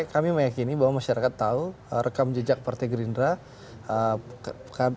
kami meyakini bahwa masyarakat tahu rekam jejak partai gerindra